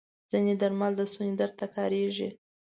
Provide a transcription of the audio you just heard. ځینې درمل د ستوني درد ته کارېږي.